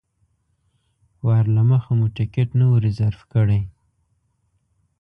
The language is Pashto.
وار له مخه مو ټکټ نه و ریزرف کړی.